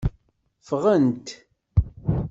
Ffɣent.